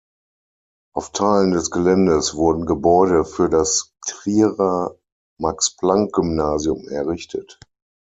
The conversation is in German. Auf Teilen des Geländes wurden Gebäude für das Trierer Max-Planck-Gymnasium errichtet.